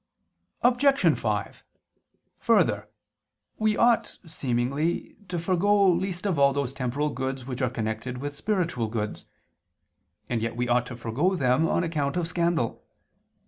Obj. 5: Further, we ought, seemingly, to forego least of all those temporal goods which are connected with spiritual goods: and yet we ought to forego them on account of scandal.